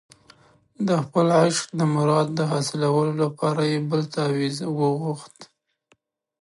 د خپل عشق د مراد د حاصلولو لپاره یې بل تاویز وغوښت.